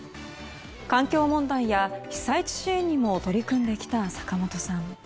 環境問題や被災地支援にも取り組んできた坂本さん。